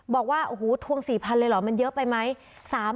บอกว่าโอ้โหทวง๔๐๐เลยเหรอมันเยอะไปไหม